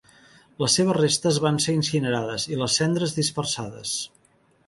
Les seves restes van ser incinerades, i les cendres dispersades.